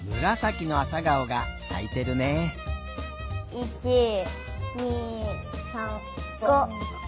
１２３４５。